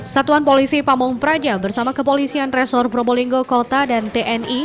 satuan polisi pamung praja bersama kepolisian resor probolinggo kota dan tni